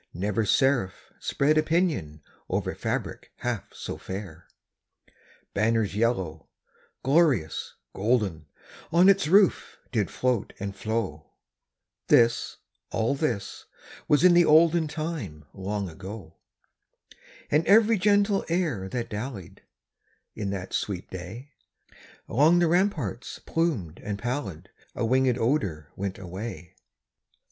Never seraph spread a pinion Over fabric half so fair! Banners yellow, glorious, golden, On its roof did float and flow, (This all this was in the olden Time long ago), And every gentle air that dallied, In that sweet day, Along the ramparts plumed and pallid, A winged odor went away.